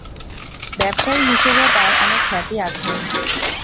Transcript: ব্যবসায়ী হিসেবেও তার অনেক খ্যাতি আছে।